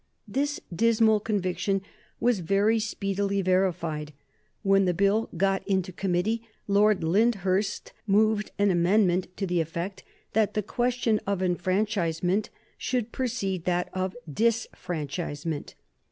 This dismal conviction was very speedily verified. When the Bill got into committee, Lord Lyndhurst moved an amendment to the effect that the question of enfranchisement should precede that of disfranchisement.